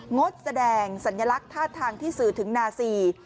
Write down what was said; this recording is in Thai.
งดแสดงสัญลักษณ์ท่าทางที่สื่อถึงนาซี